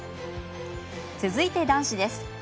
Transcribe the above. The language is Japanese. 続いて、男子です。